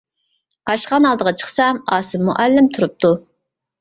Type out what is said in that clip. ئاشخانا ئالدىغا چىقسام ئاسىم مۇئەللىم تۇرۇپتۇ.